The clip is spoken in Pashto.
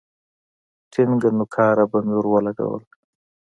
ټينگه نوکاره به مې ورولگوله.